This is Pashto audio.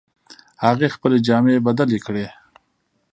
هغې خپلې جامې بدلې کړې